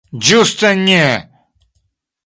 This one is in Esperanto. Ĝuste ne!